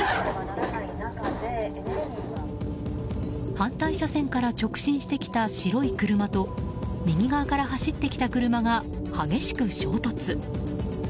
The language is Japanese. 反対車線から直進してきた白い車と右側から走ってきた車が激しく衝突。